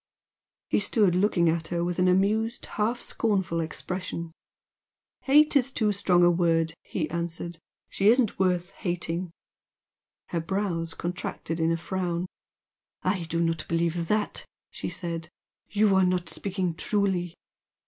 He stood looking at her with an amused, half scornful expression. "Hate is too strong a word" he answered "She isn't worth hating!" Her brows contracted in a frown. "I do not believe THAT!" she said "You are not speaking truly.